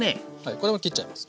これも切っちゃいます。